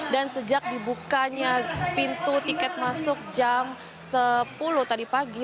sejak dibukanya pintu tiket masuk jam sepuluh tadi pagi